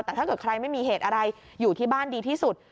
แต่ถ้าเกิดใครไม่มีเหตุอะไรอยู่ที่บ้านดีที่สุด